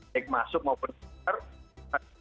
baik masuk maupun keluar